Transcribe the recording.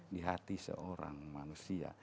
di hati seorang manusia